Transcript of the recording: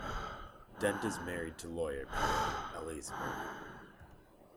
Dent is married to lawyer Peter Eliasberg.